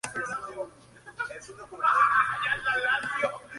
Es por eso que Peretti llegó junto a otros dos argentinos al club italiano.